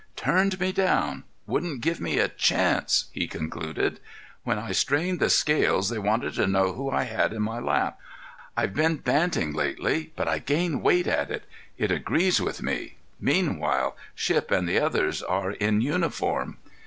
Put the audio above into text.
"Turned me down; wouldn't give me a chance," he concluded. "When I strained the scales, they wanted to know who I had in my lap. I've been banting lately, but I gain weight at it. It agrees with me. Meanwhile, Shipp and the others are in uniform."